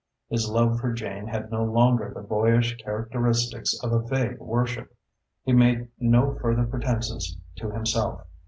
His love for Jane had no longer the boyish characteristics of a vague worship. He made no further pretences to himself.